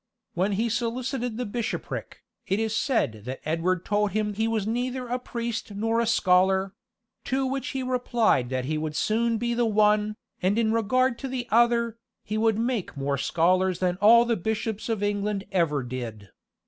When he solicited the bishopric, it is said that Edward told him he was neither a priest nor a scholar; to which he replied that he would soon be the one, and in regard to the other, he would make more scholars than all the bishops of England ever did.